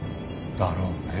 だろうね。